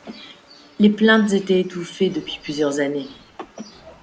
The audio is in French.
Les plaintes étaient étouffées depuis plusieurs années.